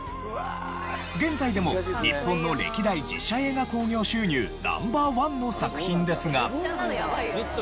現在でも日本の歴代実写映画興行収入Ｎｏ．１の作品ですが。